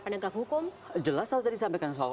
penegak hukum jelas tadi saya sampaikan soal